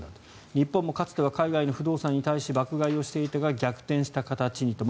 日本もかつては海外の不動産に対して爆買いしていたが逆転した形にと。